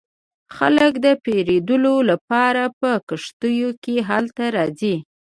خلک د پیرودلو لپاره په کښتیو کې هلته راځي